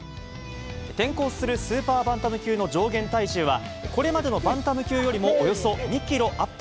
転向するスーパーバンタム級の上限体重は、これまでのバンタム級よりもおよそ２キロアップ。